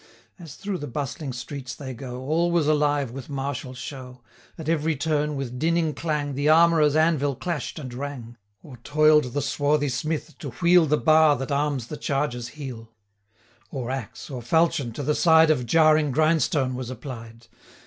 As through the bustling streets they go, All was alive with martial show: At every turn, with dinning clang, 145 The armourer's anvil clash'd and rang; Or toil'd the swarthy smith, to wheel The bar that arms the charger's heel; Or axe, or falchion, to the side Of jarring grindstone was applied.